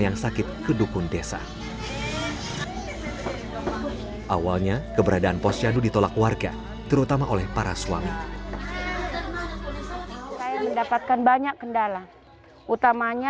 daging rajungan dipisahkan